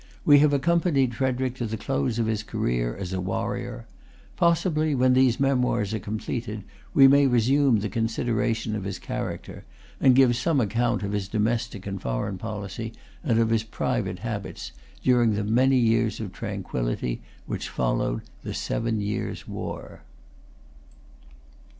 We have accompanied Frederic to the close of his career as a warrior. Possibly, when these Memoirs are completed, we may resume the consideration of his character, and give some account of his domestic and foreign policy, and of his private habits, during the many years of tranquillity which followed the Seven Years' War.